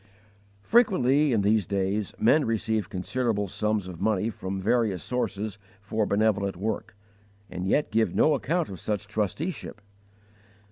Frequently, in these days, men receive considerable sums of money from various sources for benevolent work, and yet give no account of such trusteeship.